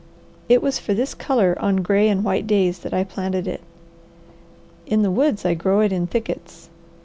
It was for this colour on gray and white days that I planted it. In the woods I grow it in thickets.